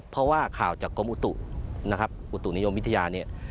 เพราะว่าข่าวจากกรมอุตุนิยมวิทยา